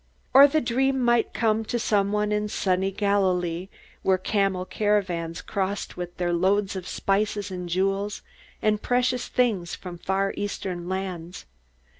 Or the dream might come to someone in sunny Galilee, where camel caravans crossed with their loads of spices and jewels and precious things from Far Eastern lands.